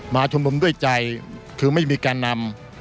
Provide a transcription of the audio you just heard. ชุมนุมด้วยใจคือไม่มีการนำ